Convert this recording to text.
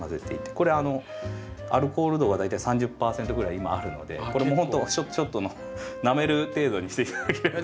これアルコール度が大体３０％ぐらい今あるのでこれもうほんとショットのなめる程度にして頂けると。